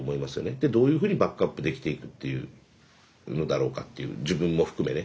でどういうふうにバックアップできていくっていうのだろうかっていう自分も含めね。